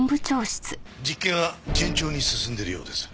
実験は順調に進んでいるようです。